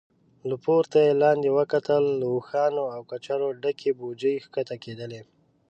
له پورته يې لاندې وکتل، له اوښانو او کچرو ډکې بوجۍ کښته کېدلې.